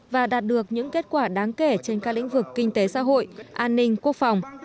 và đạt được những kết quả đáng kể trên các lĩnh vực kinh tế xã hội an ninh quốc phòng